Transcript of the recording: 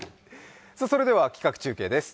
それでは企画中継です。